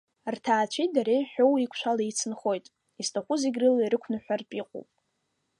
Рҭаацәеи дареи ҳәоуеиқәшәала еицынхоит, изҭаху зегь рыла ирықәныҳәартә иҟоуп.